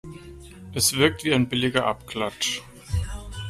Es wirkt wie ein billiger Abklatsch.